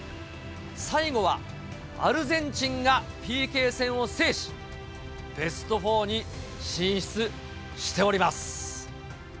最後はアルゼンチンがＰＫ戦を制し、ベスト４に進出しております。